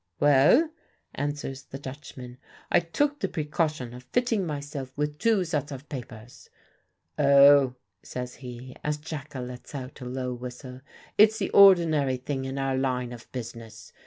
"Well," answers the Dutchman, "I took the precaution of fitting myself with two sets of papers. Oh," says he, as Jacka lets out a low whistle, "it's the ordinary thing in our line of business.